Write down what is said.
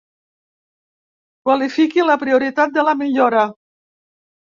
Qualifiqui la prioritat de la millora.